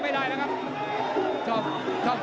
ตามต่อยกที่สองครับ